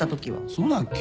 そうだっけ？